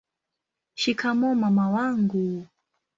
shikamoo mama wangu